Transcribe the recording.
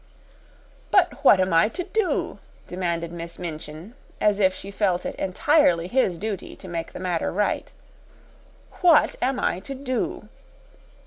"But what am I to do?" demanded Miss Minchin, as if she felt it entirely his duty to make the matter right. "What am I to do?"